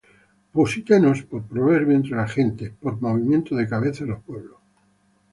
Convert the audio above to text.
Pusístenos por proverbio entre las gentes, Por movimiento de cabeza en los pueblos.